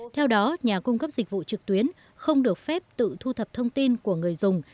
theo đó nhà cung cấp dịch vụ trực tuyến không được phép tự thu thập thông tin của người dùng